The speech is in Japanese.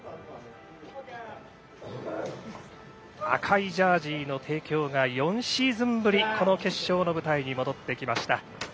赤いジャージーの帝京が４シーズンぶりこの決勝の舞台に戻ってきました。